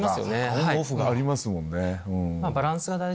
オンオフが。ありますもんね。